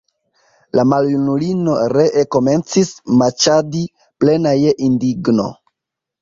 La maljunulino ree komencis maĉadi, plena je indigno.